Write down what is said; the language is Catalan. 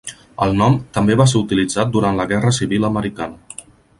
El nom també va ser utilitzat durant la Guerra Civil americana.